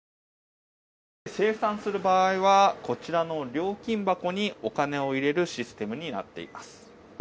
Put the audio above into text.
清算する場合はこちらの料金箱にお金を入れるシステムになっています。